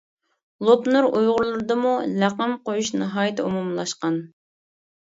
لوپنۇر ئۇيغۇرلىرىدىمۇ لەقەم قويۇش ناھايىتى ئومۇملاشقان.